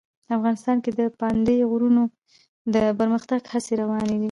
افغانستان کې د پابندي غرونو د پرمختګ هڅې روانې دي.